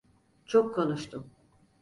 Çok konuştum.